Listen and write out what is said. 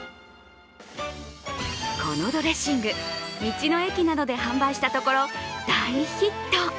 このドレッシング、道の駅などで販売したところ大ヒット！